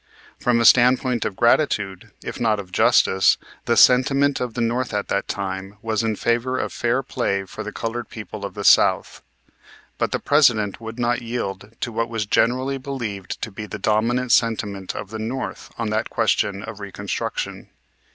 From a standpoint of gratitude, if not of justice, the sentiment of the North at that time was in favor of fair play for the colored people of the South. But the President would not yield to what was generally believed to be the dominant sentiment of the North on the question of reconstruction.